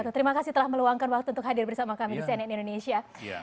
terima kasih telah meluangkan waktu untuk hadir bersama kami di cnn indonesia